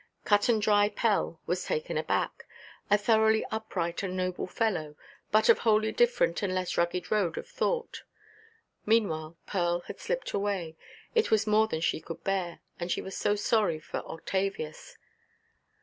Cut–and–dry Pell was taken aback. A thoroughly upright and noble fellow, but of wholly different and less rugged road of thought. Meanwhile Pearl had slipped away; it was more than she could bear, and she was so sorry for Octavius.